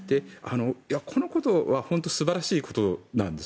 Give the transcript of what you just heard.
このことは本当に素晴らしいことなんです。